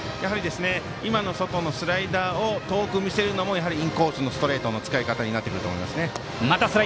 今の外のスライダーを遠く見せるのもインコースのストレートの使い方になってきます。